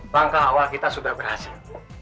langkah awal kita sudah berhasil